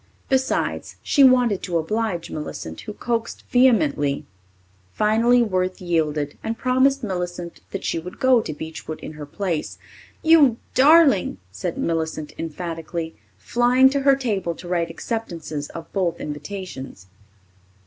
Besides, she wanted to oblige Millicent, who coaxed vehemently. Finally, Worth yielded and promised Millicent that she would go to Beechwood in her place. "You darling!" said Millicent emphatically, flying to her table to write acceptances of both invitations.